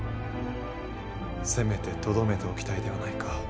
せめてとどめておきたいではないか。